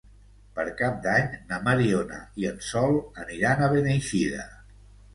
Per Cap d'Any na Mariona i en Sol aniran a Beneixida.